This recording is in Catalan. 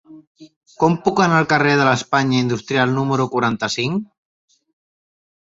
Com puc anar al carrer de l'Espanya Industrial número quaranta-cinc?